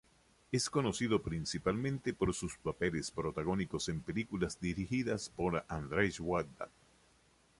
Es conocido principalmente por sus papeles protagónicos en películas dirigidas por Andrzej Wajda.